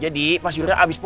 dia bilang begitu pak